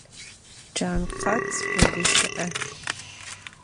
Cankhat meguşı'e.